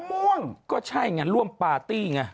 ม่วงก็ใช่ไงร่วมปาร์ตี้ไง